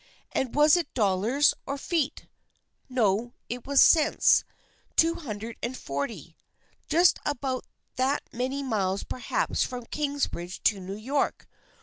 And was it dollars, or feet ? No, it was cents. Two hundred and forty. Just about that many miles perhaps from Kingsbridge to New York.